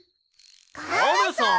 カメさん！